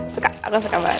suka aku suka banget